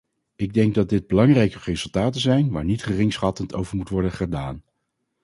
Ik denk dat dit belangrijke resultaten zijn waar niet geringschattend over moet worden gedaan.